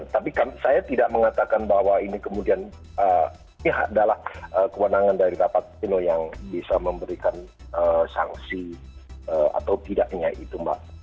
tapi saya tidak mengatakan bahwa ini kemudian ini adalah kewenangan dari rapat pleno yang bisa memberikan sanksi atau tidaknya itu mbak